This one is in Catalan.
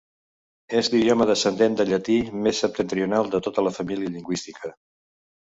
És l'idioma descendent del llatí més septentrional de tota la família lingüística.